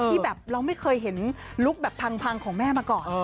ที่แบบเราไม่เคยเห็นลุคแบบพังของแม่มาก่อน